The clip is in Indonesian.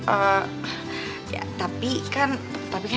eh ya tapi kan tapi kan